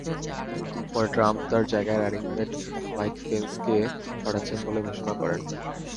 পরে ট্রাম্প তাঁর জায়গায় রানিং-মেট মাইক পেন্সকে পাঠাচ্ছেন বলে ঘোষণা করেন।